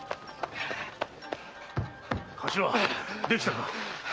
できたか？